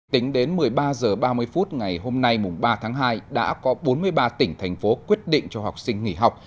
tính đến một mươi ba h ba mươi phút ngày hôm nay ba tháng hai đã có bốn mươi ba tỉnh thành phố quyết định cho học sinh nghỉ học